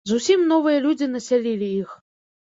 Зусім новыя людзі насялілі іх.